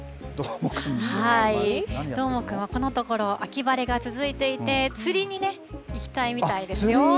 はい、どーもくんはこのところ秋晴れが続いていて釣りに行きたいんだ。